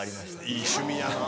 いい趣味やな。